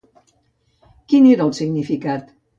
Quin era el significat?